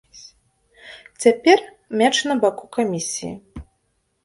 Цяпер мяч на баку камісіі.